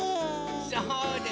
そうです